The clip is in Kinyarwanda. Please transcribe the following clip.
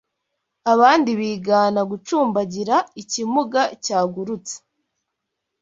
Abandi bigana, gucumbagira, ikimuga cyagurutse!